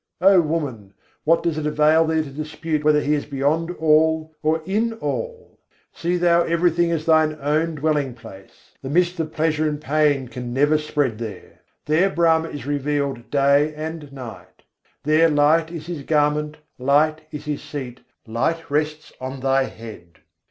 O woman, what does it avail thee to dispute whether He is beyond all or in all? See thou everything as thine own dwelling place: the mist of pleasure and pain can never spread there. There Brahma is revealed day and night: there light is His garment, light is His seat, light rests on thy head.